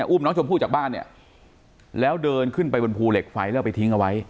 อุ้มน้องชมพู่จากบ้านเนี่ยแล้วเดินขึ้นไปบนภูเหล็กไฟแล้วไปทิ้งเอาไว้